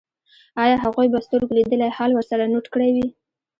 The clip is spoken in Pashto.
ایا هغوی به سترګو لیدلی حال ورسره نوټ کړی وي